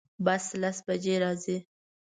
بس لس بجی راځي